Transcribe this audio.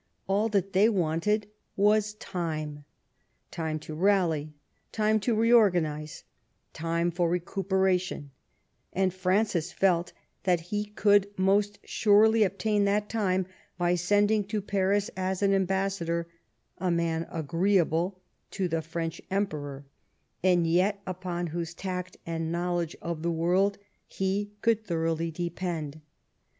All that they wanted was time — time to rally, time to reorganise, time for recuperation ; and Francis felt that he could most surely obtain that time by sending to Paris as his ambassador a man agreeable to the French Emperor, and yet upon whose tact and knowledge of the world he could thoroughly depend.